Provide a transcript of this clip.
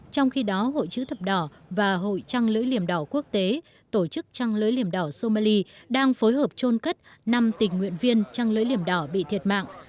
trong khi đó hội chữ thập đỏ và hội trăng lưỡi liểm đỏ quốc tế tổ chức trăng lưỡi liểm đỏ somali đang phối hợp trôn cất năm tình nguyện viên trăng lưỡi liểm đỏ bị thiệt mạng